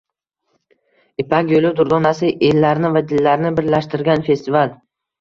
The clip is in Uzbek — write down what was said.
“Ipak yo‘li durdonasi: ellarni va dillarni birlashtirgan festival